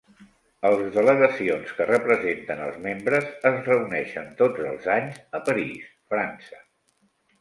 Els delegacions que representen els membres es reuneixen tots els anys a París, França.